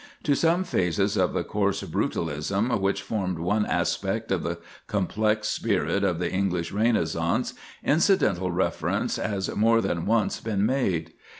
To some phases of the coarse brutalism which formed one aspect of the complex spirit of the English Renaissance incidental reference has more than once been made.